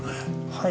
はい。